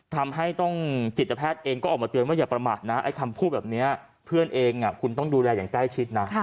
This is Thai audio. ทำให้ต้องจิตแพทย์เองก็ออกมาเตือนว่าอย่าประมาทนะไอ้คำพูดแบบนี้เพื่อนเองคุณต้องดูแลอย่างใกล้ชิดนะ